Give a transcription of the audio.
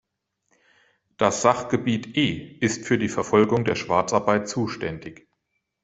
Das Sachgebiet E ist für die Verfolgung der Schwarzarbeit zuständig.